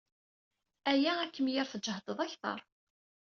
Aya ad kem-yerr tǧehdeḍ akter.